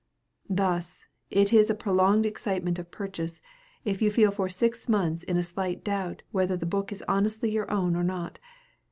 Thus, it is a prolonged excitement of purchase, if you feel for six months in a slight doubt whether the book is honestly your own or not.